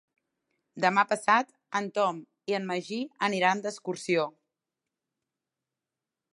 Demà passat en Tom i en Magí aniran d'excursió.